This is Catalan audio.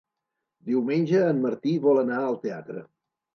Diumenge en Martí vol anar al teatre.